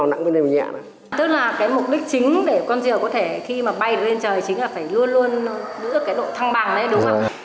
tức là cái mục đích chính để con rìu có thể khi mà bay lên trời chính là phải luôn luôn giữ cái độ thăng bằng đấy đúng không